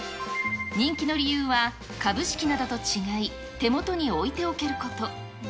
人気の理由は、株式などと違い、手元に置いておけること。